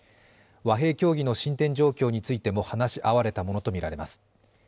和平協議の進展状況についても話し合われたものとみられます。